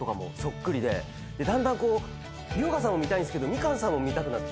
だんだん遼河さんを見たいけどみかんさんも見たくなって。